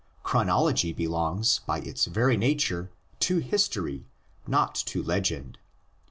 Chronology belongs by its very nature to history, not to legend.